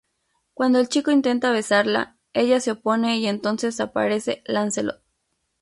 Cuando el chico intenta besarla, ella se opone y entonces aparece Lancelot.